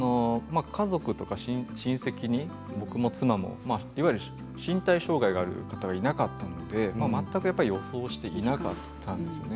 家族とか親戚に僕も妻もいわゆる身体障害がある方がいなかったので全く予想していなかったんですよね。